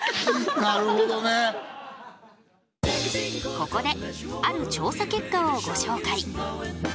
ここである調査結果をご紹介。